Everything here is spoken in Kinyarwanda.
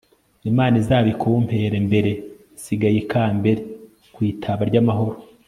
imana izabikumpemberensigaye i kambere ku itaba ry'amahoro